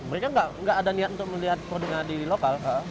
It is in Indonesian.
mereka tidak ada niat untuk melihat produknya di lokal